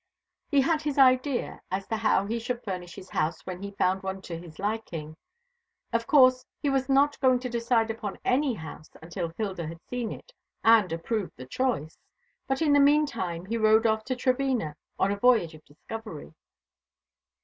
He had his idea as to how he should furnish his house when he found one to his liking. Of course he was not going to decide upon any house until Hilda had seen it and approved the choice. But in the mean time he rode off to Trevena on a voyage of discovery.